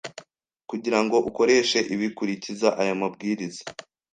Kugira ngo ukoreshe ibi, kurikiza aya mabwiriza.